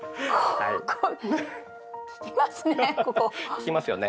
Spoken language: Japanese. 効きますよね。